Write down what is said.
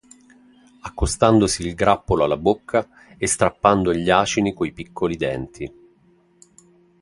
Accostandosi il grappolo alla bocca e strappando gli acini coi piccoli denti.